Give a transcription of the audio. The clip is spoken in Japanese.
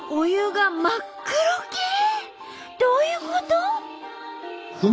どういうこと？